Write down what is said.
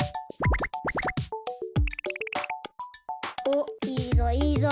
おっいいぞいいぞ！